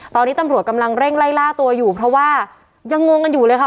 ตอนนี้ตำรวจกำลังเร่งไล่ล่าตัวอยู่เพราะว่ายังงงกันอยู่เลยค่ะ